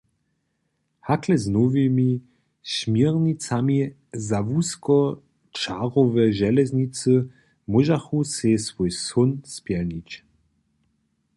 Hakle z nowymi směrnicami za wuskočarowe železnicy móžachu sej swój són spjelnić.